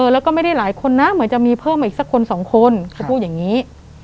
แล้วก็ไม่ได้หลายคนนะเหมือนจะมีเพิ่มอีกสักคนสองคนเขาพูดอย่างนี้